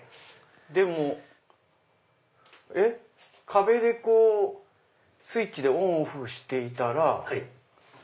壁でスイッチでオンオフしていたら。